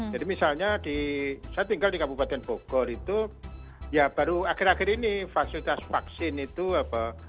jadi misalnya saya tinggal di kabupaten bogor itu ya baru akhir akhir ini fasilitas vaksin itu apa